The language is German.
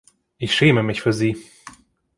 Ich schäme mich für Sie!